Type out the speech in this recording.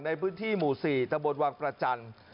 ในพื้นที่หมู่๔ตะบนวังประจันทร์